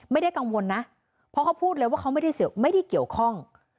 ไม่ได้กังวลนะเพราะเขาพูดเลยว่าเขาไม่ได้เกี่ยวข้อง